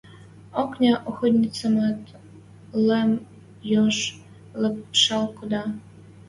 Окня охоницӓмӓт лым йож лыпшал кода.